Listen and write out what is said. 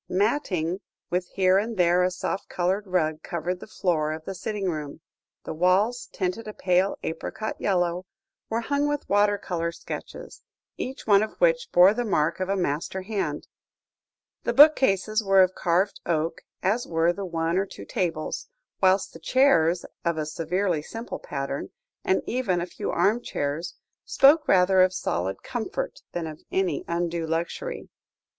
Matting, with here and there a soft coloured rug, covered the floor of the sitting room; the walls, tinted a pale apricot yellow, were hung with water colour sketches, each one of which bore the mark of a master hand; the bookcases were of carved oak, as were the one or two tables, whilst the chairs, of a severely simple pattern, and even the few armchairs, spoke rather of solid comfort, than of any undue luxury.